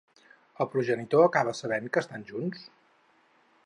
El progenitor acaba sabent que estan junts?